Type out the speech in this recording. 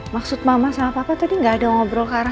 maksud mama sama papa tadi gak ada ngobrol karakter